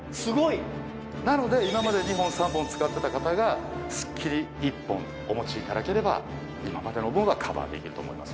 なので今まで２本３本使ってた方がすっきり１本お持ちいただければ今までの分はカバーできると思います。